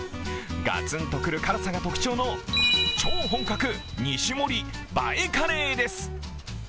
ガツンとくる辛さが特徴の超本格２種盛り映えカレーです。